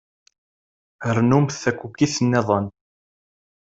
Rnumt takukit-nniḍen.